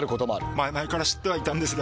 前々から知ってはいたんですが。